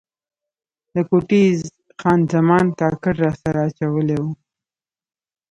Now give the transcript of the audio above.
له کوټې یې خان زمان کاکړ راسره اچولی و.